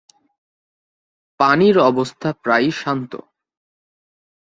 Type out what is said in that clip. পানির অবস্থা প্রায়ই শান্ত।